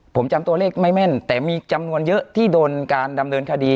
ผมจำตัวเลขไม่แม่นแต่มีจำนวนเยอะที่โดนการดำเนินคดี